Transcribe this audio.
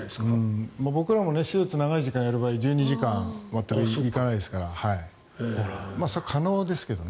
僕らも手術を長い時間やる場合１２時間全く行かないですからそれは可能ですけどね。